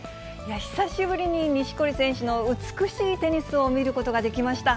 久しぶりに錦織選手の美しいテニスを見ることができました。